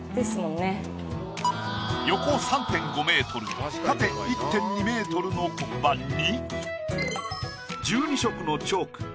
横３．５ｍ縦１．２ｍの黒板に。